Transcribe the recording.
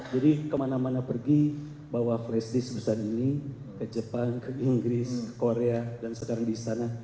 jadi kemana mana pergi bawa flash disk busan ini ke jepang ke inggris korea dan sekarang di sana